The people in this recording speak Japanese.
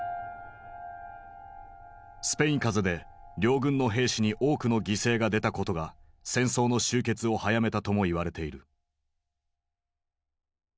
スペイン風邪で両軍の兵士に多くの犠牲が出たことが戦争の終結を早めたとも言われている。